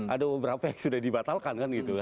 ada beberapa yang sudah dibatalkan